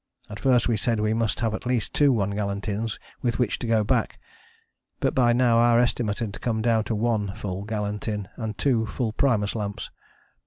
At first we said we must have at least two one gallon tins with which to go back; but by now our estimate had come down to one full gallon tin, and two full primus lamps.